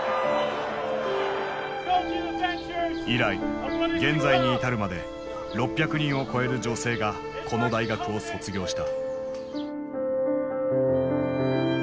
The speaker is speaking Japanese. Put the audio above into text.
以来現在に至るまで６００人を超える女性がこの大学を卒業した。